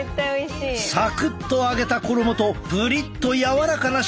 サクッと揚げた衣とプリッとやわらかな食感が格別！